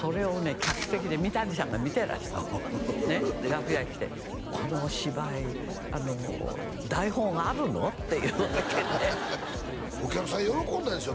客席で三谷さんが見てらしたので楽屋へ来て「このお芝居台本あるの？」って言うわけでお客さん喜んだでしょ